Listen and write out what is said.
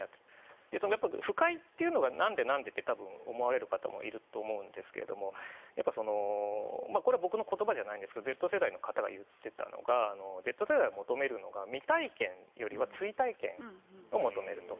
不快というのがなんで？ってお思われる方もいると思うんですがこれ、僕の言葉じゃなくてＺ世代の方が言っていたのがＺ世代が求めるのが未体験よりは追体験を求めると。